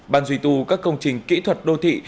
ban duy tù các công trình kỹ thuật đô thị